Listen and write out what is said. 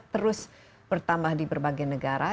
terus bertambah di berbagai negara